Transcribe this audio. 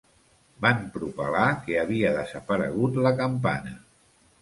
Van propalar que havia desaparegut la campana.